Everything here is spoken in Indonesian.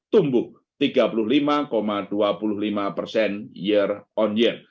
tumbuh tiga puluh lima dua puluh lima persen year on year